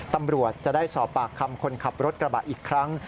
ตำรวจจะได้สอบปากคำคนขับรถกระบะอีกครั้ง